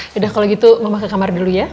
yaudah kalau gitu mama ke kamar dulu ya